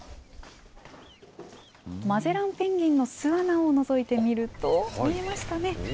マゼランペンギンの巣穴をのぞいてみると、見えましたね。